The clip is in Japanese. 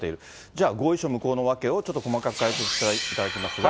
じゃあ、合意書無効の訳をちょっと細かく解説していただきますが。